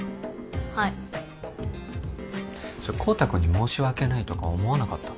はいそれ孝多君に申し訳ないとか思わなかった？